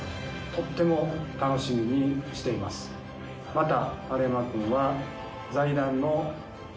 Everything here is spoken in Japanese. また。